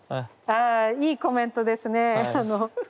あいいコメントですね。